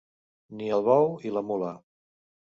Ni el bou i la mula.